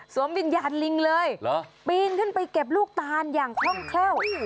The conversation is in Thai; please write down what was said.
วิญญาณลิงเลยปีนขึ้นไปเก็บลูกตานอย่างคล่องแคล่ว